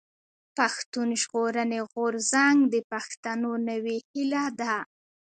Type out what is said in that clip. پښتون ژغورني غورځنګ د پښتنو نوې هيله ده.